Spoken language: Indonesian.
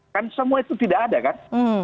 kan semua itu tidak ada kan